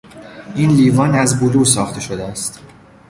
این لیوان از بلور ساخته شده است.